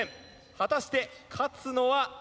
果たして勝つのは？